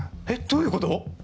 えっどういうこと